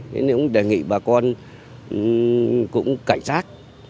nên cũng đề nghị bà con cũng cảnh sát